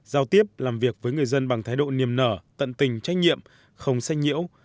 giao tiếp làm việc với người dân bằng thái độ niềm nở tận tình trách nhiệm không sah nhiễu